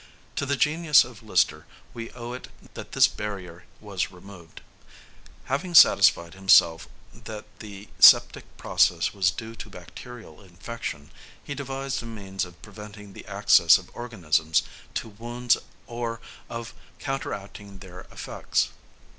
To the genius of Lister we owe it that this barrier was removed. Having satisfied himself that the septic process was due to bacterial infection, he devised a means of preventing the access of organisms to wounds or of counteracting their effects.